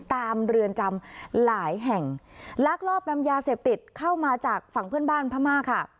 เรือนจำหลายแห่งลักลอบนำยาเสพติดเข้ามาจากฝั่งเพื่อนบ้านพม่าค่ะ